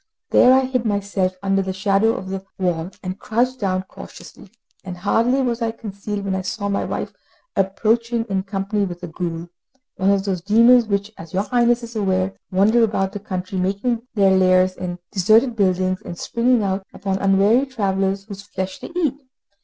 There I hid myself under the shadow of the wall, and crouched down cautiously; and hardly was I concealed, when I saw my wife approaching in company with a ghoul one of those demons which, as your Highness is aware, wander about the country making their lairs in deserted buildings and springing out upon unwary travellers whose flesh they eat.